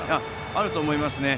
あると思います。